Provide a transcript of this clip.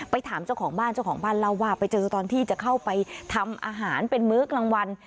ไปถามเจ้าของบ้านเราว่าไปเจอกับตอนที่จะเข้าไปทำอาหารเป็นมือกรางวัล